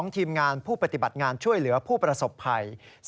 ทีมงานผู้ปฏิบัติงานช่วยเหลือผู้ประสบภัย